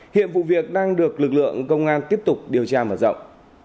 hiện vụ việc đang được lực lượng công an tiếp tục điều tra mở rộng